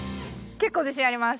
結構自信あります。